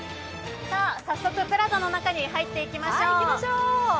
早速ＰＬＡＺＡの中に入っていきましょう。